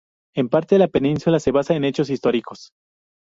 En parte la película se basa en hechos históricos.